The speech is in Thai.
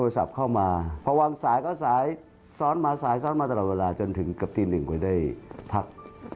ซ้อนมาสายซ้อนมาตลอดเวลาจนถึงกับตีหนึ่งก็ได้พัก